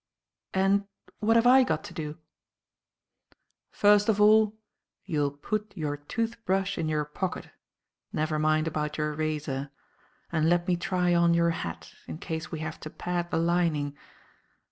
"And what have I got to do?" "First of all, you will put your tooth brush in your pocket never mind about your razor and let me try on your hat, in case we have to pad the lining.